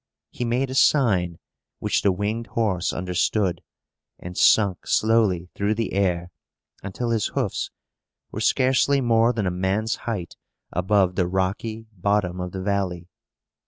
He made a sign, which the winged horse understood, and sunk slowly through the air, until his hoofs were scarcely more than a man's height above the rocky bottom of the valley.